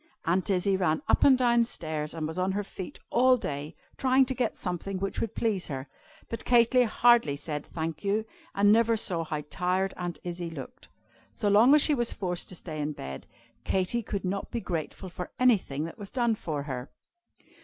Aunt Izzie ran up and down stairs, and was on her feet all day, trying to get something which would please her, but Katy hardly said "Thank you," and never saw how tired Aunt Izzie looked. So long as she was forced to stay in bed, Katy could not be grateful for anything that was done for her.